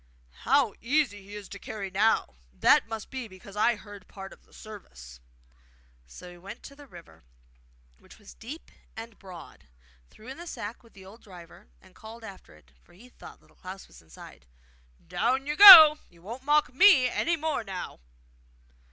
'How easy he is to carry now! That must be because I heard part of the service.' So he went to the river, which was deep and broad, threw in the sack with the old driver, and called after it, for he thought Little Klaus was inside: 'Down you go! You won't mock me any more now!